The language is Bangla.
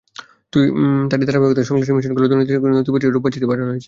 তারই ধারাবাহিকতায় সংশ্লিষ্ট মিশনগুলোর দুর্নীতিসংক্রান্ত নথিপত্র চেয়ে রোববার চিঠি পাঠানো হয়েছে।